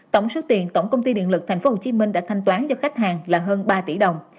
tổng số tiền tổng công ty điện lực tp hcm đã thanh toán cho khách hàng là hơn ba tỷ đồng